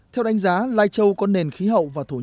theo đánh giá lai châu có nền khí hậu và thổ nhiệm